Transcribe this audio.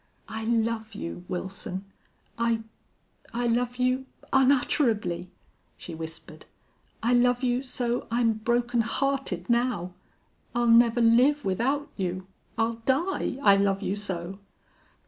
"I love you, Wilson! I I love you unutterably," the whispered. "I love you so I'm broken hearted now. I'll never live without you. I'll die I love you so!"